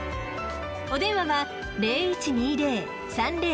［お電話は０１２０−３０−７７１６］